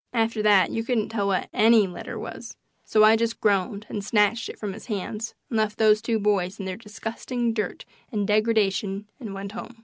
After that you couldn't tell what ANY letter was, so I just groaned and snatched it from his hands and left those two boys in their disgusting dirt and degradation and went home.